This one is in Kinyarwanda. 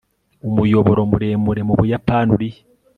umuyoboro muremure mu buyapani urihe